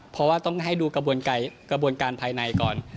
เพราะว่าต้องให้ดูกระบวนการภายในก่อน